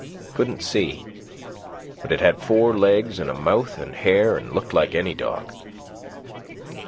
"Couldn't see. But it had four legs an' a mouth an' hair an' looked like any dog."